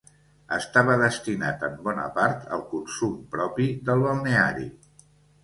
Estava destinat en bona part al consum propi del balneari.